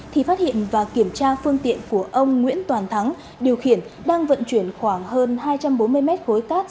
thì phát hiện và kiểm tra phương tiện của ông nguyễn toàn thắng điều khiển đang vận chuyển khoảng hơn hai trăm bốn mươi mét khối cát